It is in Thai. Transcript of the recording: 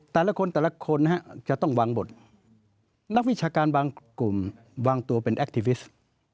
แต่ละคนแต่ละคนนะฮะจะต้องวางบทนักวิชาการบางกลุ่มวางตัวเป็นแอคทีฟิส